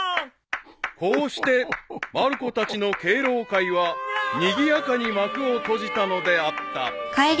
［こうしてまる子たちの敬老会はにぎやかに幕を閉じたのであった］